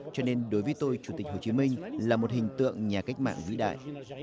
cho nên đối với tôi chủ tịch hồ chí minh là một hình tượng nhà cách mạng vĩ đại